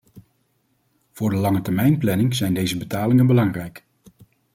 Voor de langetermijnplanning zijn deze betalingen belangrijk.